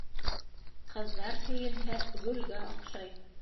Ҡыҙҙар кейенһә, гөлгә оҡшай